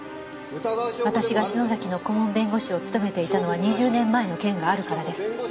「私が篠崎の顧問弁護士を務めていたのは２０年前の件があるからです」